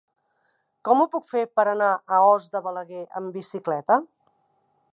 Com ho puc fer per anar a Os de Balaguer amb bicicleta?